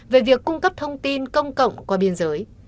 về việc cung cấp thông tin công cộng qua biên giới